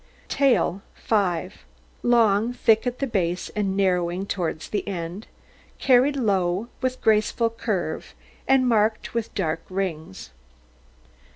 TAIL 5 Long, thick at the base, and narrowing towards the end, carried low, with graceful curve, and marked with dark rings.